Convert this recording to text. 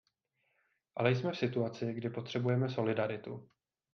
Ale jsme v situaci, kdy potřebujeme solidaritu.